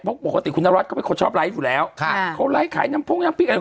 เพราะปกติคุณนวัดก็เป็นคนชอบไลฟ์อยู่แล้วค่ะเขาไลฟ์ขายน้ำพ่งน้ำพริกอะไร